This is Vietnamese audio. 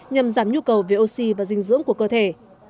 nhằm giảm nhu cầu về oxy và dinh dưỡng của cơ thể